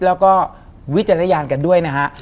แล้วก็วิจารณญาณกันด้วยนะฮะ